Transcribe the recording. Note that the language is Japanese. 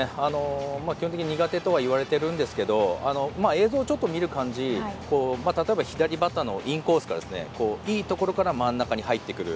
基本的に苦手とはいわれているんですけど映像を見る感じ、例えば左バッターのインコースのいいところから真ん中に入ってくる。